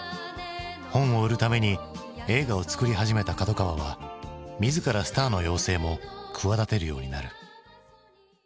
本を売るために映画を作り始めた角川は自らスターの養成も企てるようになる。